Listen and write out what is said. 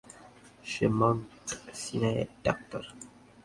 সে mount সিনাইয়ের doctor.